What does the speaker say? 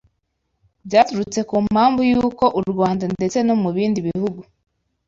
byaturutse ku mpamvu y’uko u Rwanda ndetse no mu bindi bihugu